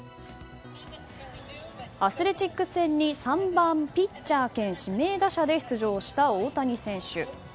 アスレチックス戦に３番ピッチャー兼指名打者で出場した大谷選手。